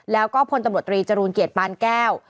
แล้วก็พลตำรวจตรีจรูลเกียรติปานแก้ว